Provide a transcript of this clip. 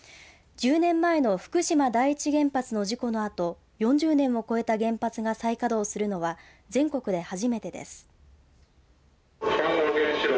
１０年前の福島第一原発の事故のあと４０年を超えた原発が再稼働するのは全国で初めてです。